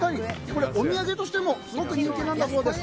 これ、お土産としてもすごく人気だそうです。